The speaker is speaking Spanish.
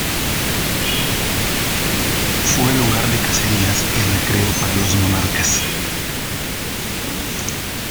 Fue lugar de cacerías y recreo para los monarcas.